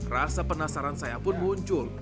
rasa penasaran saya pun muncul